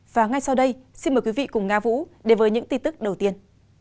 và ngay sau đây xin mời quý vị cùng nga vũ đến với những tin tức đầu tiên